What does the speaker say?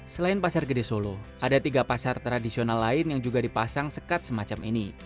selain pasar gede solo ada tiga pasar tradisional lain yang juga dipasang sekat semacam ini